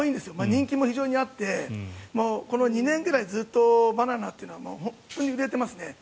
人気も非常にあってこの２年ぐらいずっとバナナというのは本当に売れていますね。